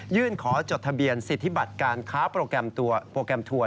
ยื่นขอจดทะเบียนศิษฐิบัติการค้าโปรแกรมทัวร์